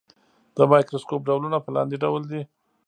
د مایکروسکوپ ډولونه په لاندې ډول دي.